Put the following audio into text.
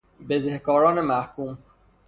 بزهکاران محکوم